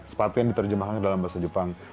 sepatu yang diterjemahkan dalam bahasa jepang